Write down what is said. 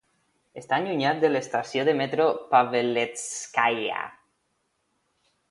Està allunyat de l'estació de metro Pavelétskaia.